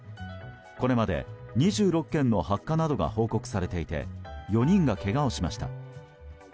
これまで２６件の発火などが報告されていて４人がけがをしました。